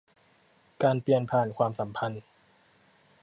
การเปลี่ยนผ่านความสัมพันธ์